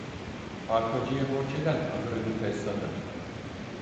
Arpacıya borç eden, ahırını tez satar.